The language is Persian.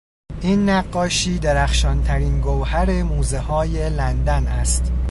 این نقاشی درخشانترین گوهر موزههای لندن است.